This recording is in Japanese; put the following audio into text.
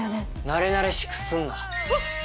なれなれしくすんなわっ！